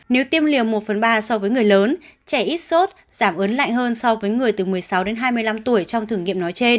nếu tiêm liều một phần ba so với người lớn trẻ ít sốt giảm ớn lại hơn so với người từ một mươi sáu đến hai mươi năm tuổi trong thử nghiệm nói trên